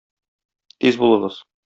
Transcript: Тиз булыгыз!